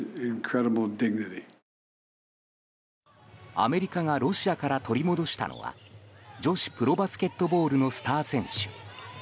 アメリカがロシアから取り戻したのは女子プロバスケットボールのスター選手。